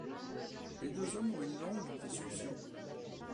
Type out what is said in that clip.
Les deux hommes ont une longue discussion.